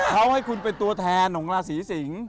เขาให้คุณเป็นตัวแทนของราศีสิงศ์